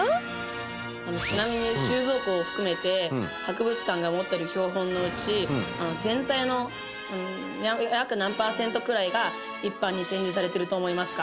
蓮君：ちなみに収蔵庫を含めて博物館が持ってる標本のうち全体の約何％くらいが、一般に展示されてると思いますか？